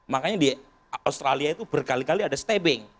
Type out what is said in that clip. makanya di australia itu berkali kali ada stabing